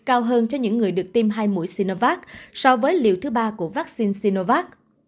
cao hơn cho những người được tiêm hai mũi sinovac so với liệu thứ ba của vaccine sinovac